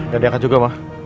dan dia kan juga